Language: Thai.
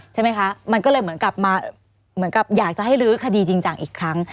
ใช่ไหมคะมันก็เลยเหมือนกับอยากจะให้รู้คดีจริงจังอีกครั้ง